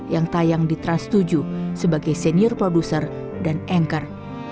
yang tayang di trans tujuh sebagai senior producer dan anchor